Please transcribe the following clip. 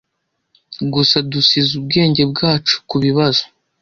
Gusa dusize ubwenge bwacu kubibazo